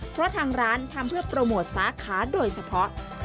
เพราะทางร้านทำเพื่อโปรโมทสาขาโดยเฉพาะ